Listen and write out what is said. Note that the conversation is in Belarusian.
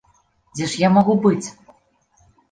Дзе ж я магу быць?